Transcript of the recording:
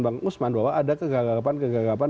bang usman bahwa ada kegagapan kegagapan